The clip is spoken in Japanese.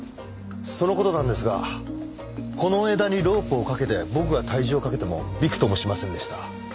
その事なんですがこの枝にロープをかけて僕が体重をかけてもびくともしませんでした。